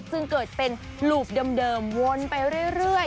ซึ่งเกิดเป็นหลูปเดิมวนไปเรื่อย